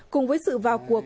cùng với sự vào cuộc